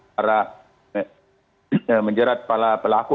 karena menjerat kepala pelaku